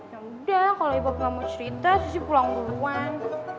yaudah kalau ibu nggak mau cerita sissy pulang duluan